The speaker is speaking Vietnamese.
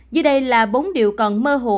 dưới đây là bốn điều còn mơ hồ